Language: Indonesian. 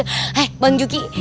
hai bang juki